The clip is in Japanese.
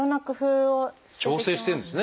調整してるんですね